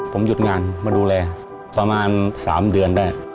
ผมหยุดงานมาดูแลประมาณ๓เดือนได้